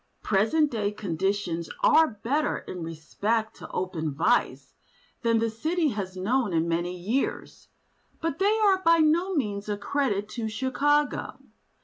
Present day conditions are better in respect to open vice than the city has known in many years. But they are by no means a credit to Chicago.